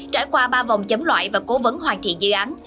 trải qua ba vòng chấm loại và cố vấn hoàn thiện dự án